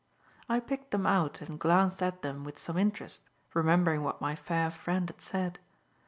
I picked them out and glanced at them with some interest, remembering what my fair friend had said.